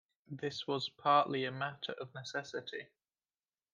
This was partly a matter of necessity.